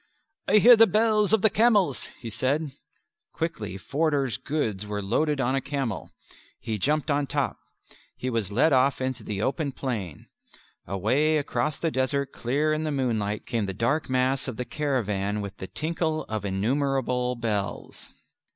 "I hear the bells of the camels," he said. Quickly Forder's goods were loaded on a camel. He jumped on top. He was led off into the open plain. Away across the desert clear in the moonlight came the dark mass of the caravan with the tinkle of innumerable bells.